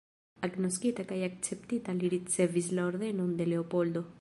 Agnoskita kaj akceptita, li ricevis la Ordenon de Leopoldo.